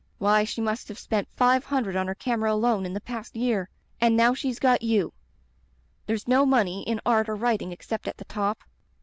Why, she must have spent five hundred on her camera alone in the past year; and now she's got you. There's no money in art or writing except at the top.